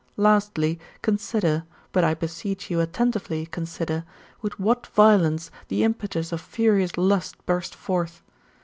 Lastly, consider, but I beseech you attentively consider, with what violence the impetus of furious lust burst forth.